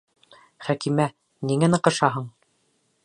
Хәкимә, ниңә ныҡышаһың?